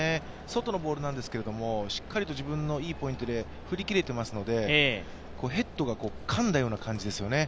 外のボールなんですけれども、しっかりと自分のいいポイントで振り切れていますので、ヘッドがかんだような感じですよね。